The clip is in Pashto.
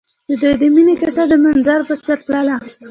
د دوی د مینې کیسه د منظر په څېر تلله.